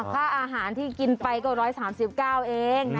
ผ้าอาหารที่กินไปก็๑๓๙อาระเอง